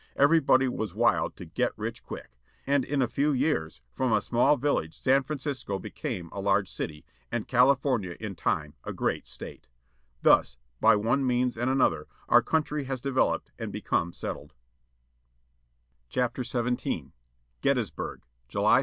Everybody was wild to "get rich quick." And in a few years from a small village San Francisco became a large city, and California, in time, a great State. Thus, by one means ^ ^and another, our great country has developed, and become settled. THE RUSH TO THE GOLD FIELDS OF CALIFORNIA â 1848 49 GETTYSBURG. July 3.